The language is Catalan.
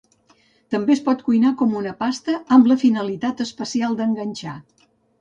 També es pot cuinar com una pasta amb la finalitat especial d'enganxar.